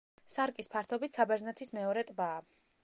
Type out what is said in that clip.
სარკის ფართობით საბერძნეთის მეორე ტბაა.